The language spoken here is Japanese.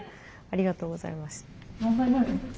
ありがとうございます。